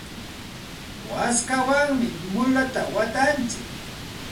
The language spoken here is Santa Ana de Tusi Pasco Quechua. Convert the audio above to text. waskawanmi mulata watantsik.